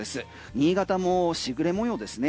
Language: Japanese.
新潟も時雨模様ですね。